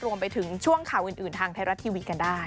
รวมไปถึงช่วงข่าวอื่นทางไทยรัฐทีวีกันได้